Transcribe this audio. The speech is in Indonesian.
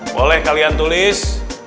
boleh kalian tulis